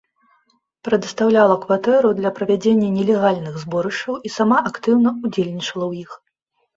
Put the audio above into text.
Прадастаўляла кватэру для правядзення нелегальных зборышчаў і сама актыўна ўдзельнічала ў іх.